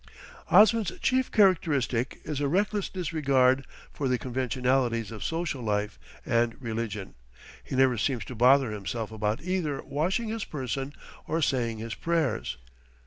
Osman's chief characteristic is a reckless disregard for the conventionalities of social life and religion; he never seems to bother himself about either washing his person or saying his prayers.